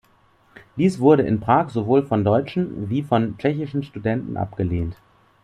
Dies wurde in Prag sowohl von deutschen wie von tschechischen Studenten abgelehnt.